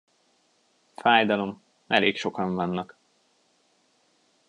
Fájdalom, elég sokan vannak.